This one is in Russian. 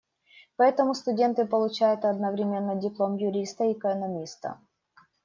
Поэтому студенты получают одновременно диплом юриста и экономиста.